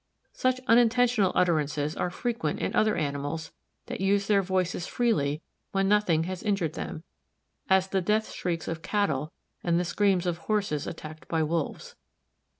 Such unintentional utterances are frequent in other animals that use their voices freely when nothing has injured them, as the death shrieks of cattle and the screams of horses attacked by wolves.